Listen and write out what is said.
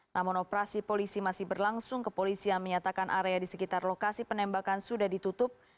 namun operasi polisi masih berlangsung ke polisi yang menyatakan area di sekitar lokasi penembakan sudah ditutup